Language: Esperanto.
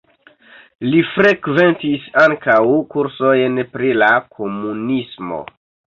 Li frekventis ankaŭ kursojn pri la komunismo.